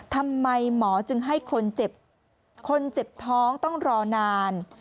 ทำไมหมอจึงให้คนเจ็บคนเจ็บท้องต้องรอนาน